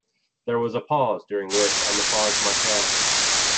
There was a pause, during which I massaged my calves.